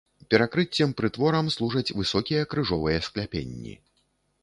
Перакрыццем прытворам служаць высокія крыжовыя скляпенні.